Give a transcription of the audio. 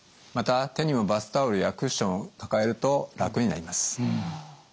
また手にもバスタオルやクッションを抱えると楽になります。